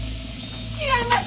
違います